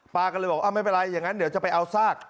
ป้าก็เลยบอกไม่เป็นไรอย่างนั้นเดี๋ยวจะไปเอาซาก